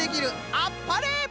あっぱれ！